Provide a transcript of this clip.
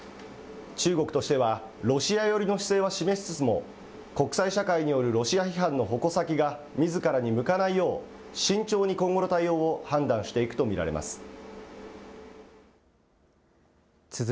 中国としては、ロシア寄りの姿勢は示しつつも、国際社会によるロシア批判の矛先がみずからに向かないよう、慎重に今後の対応を判断していくと見られます。